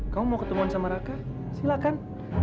kamu mau ketemuan sama raka silahkan